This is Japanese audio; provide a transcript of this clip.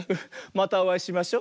またおあいしましょ。